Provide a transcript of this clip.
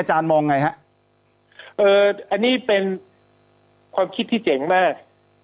อาจารย์มองไงฮะเอ่ออันนี้เป็นความคิดที่เจ๋งมาก